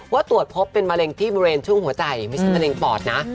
ตรวจพบเป็นมะเร็งที่บริเวณช่วงหัวใจไม่ใช่มะเร็งปอดนะ